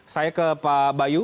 saya ke pak bayu